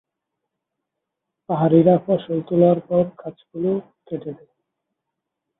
পাহাড়িরা ফসল তোলার পর গাছগুলো কেটে দেয়।